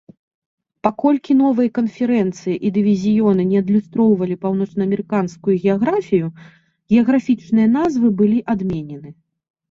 Паколькі новыя канферэнцыі і дывізіёны не адлюстроўвалі паўночнаамерыканскую геаграфію, геаграфічныя назвы былі адменены.